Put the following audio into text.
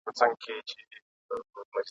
د ښوونکو جامې نه وي د چا تن کي ..